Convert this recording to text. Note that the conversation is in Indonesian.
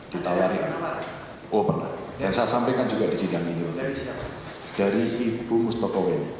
dia hanya menyampaikan dengan kata kata itu